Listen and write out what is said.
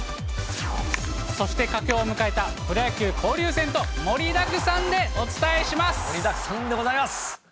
そして佳境を迎えたプロ野球交流戦と、盛りだくさんでお伝えしま盛りだくさんでございます。